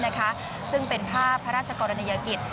หมดสิบสี่ต้นนะคะซึ่งเป็นภาพพระราชกรเนยกิจ